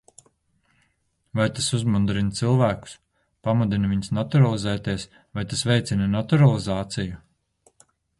Vai tas uzmundrina cilvēkus, pamudina viņus naturalizēties, vai tas veicina naturalizāciju?